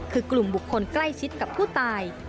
คือกลุ่มบุคคลใกล้ชิดกับผู้ตาย